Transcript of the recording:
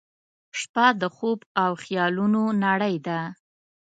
• شپه د خوب او خیالونو نړۍ ده.